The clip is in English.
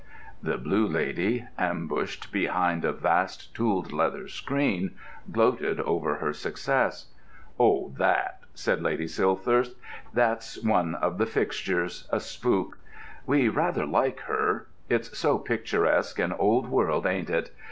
The Blue Lady, ambushed behind a vast tooled leather screen, gloated over her success. "Oh, that!" said Lady Silthirsk: "that's one of the fixtures—a spook. We rather like her—it's so picturesque and old world, ain't it?